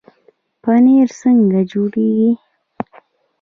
پنیر څنګه جوړیږي؟